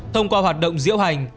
thông qua hoạt động diễu hành